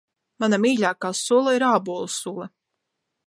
Mana mīļākā sula ir ābolu sula.